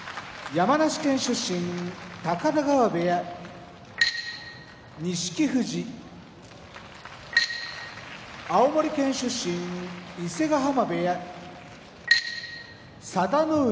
高田川部屋錦富士青森県出身伊勢ヶ濱部屋佐田の海